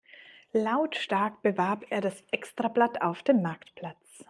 Lautstark bewarb er das Extrablatt auf dem Marktplatz.